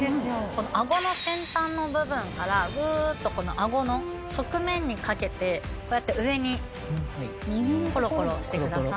このあごの先端の部分からグーッとあごの側面にかけてこうやって上にコロコロしてください。